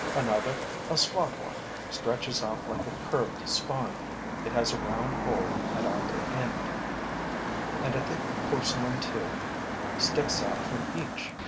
Another, a squat one, stretches out like a curved spine. It has a round hole at either end; and a thick porcelain tube sticks out from each.